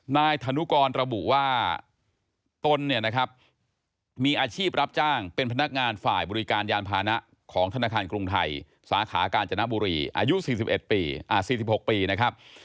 นายธนุกรระบุว่าตนเนี่ยนะครับมีอาชีพรับจ้างเป็นพนักงานฝ่ายบริการยานพานะของธนาคารกรุงไทยสาขากาญจนบุรีอายุ๔๖ปีนะครับ